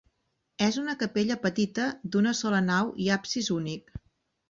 És una capella petita, d'una sola nau i absis únic.